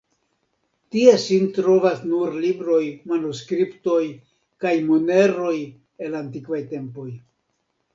Tie sin trovas nur libroj, manuskriptoj kaj moneroj el antikvaj tempoj.